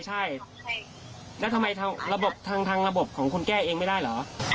ใช่แล้วทำไมระบบทางระบบของคุณแก้เองไม่ได้เหรอ